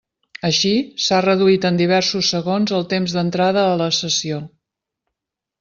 Així, s'ha reduït en diversos segons el temps d'entrada a la sessió.